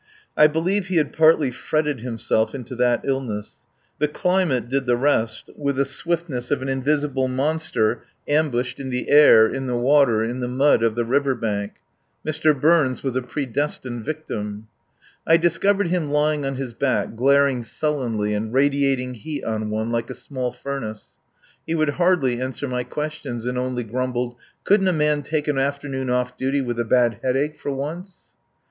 I believe he had partly fretted himself into that illness; the climate did the rest with the swiftness of an invisible monster ambushed in the air, in the water, in the mud of the river bank. Mr. Burns was a predestined victim. I discovered him lying on his back, glaring sullenly and radiating heat on one like a small furnace. He would hardly answer my questions, and only grumbled. Couldn't a man take an afternoon off duty with a bad headache for once?